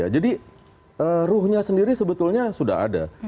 jadi ruhnya sendiri sebetulnya sudah ada